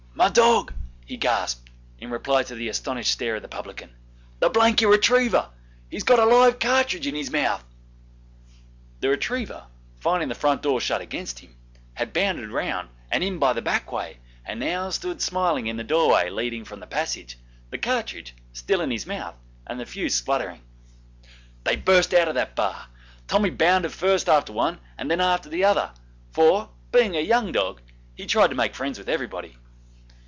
'My dog!' he gasped, in reply to the astonished stare of the publican, 'the blanky retriever he's got a live cartridge in his mouth ' The retriever, finding the front door shut against him, had bounded round and in by the back way, and now stood smiling in the doorway leading from the passage, the cartridge still in his mouth and the fuse spluttering. They burst out of that bar. Tommy bounded first after one and then after another, for, being a young dog, he tried to make friends with everybody.